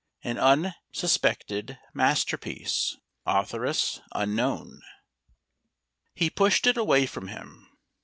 AN UNSUSPECTED MASTERPIECE (AUTHORESS UNKNOWN) He pushed it away from him.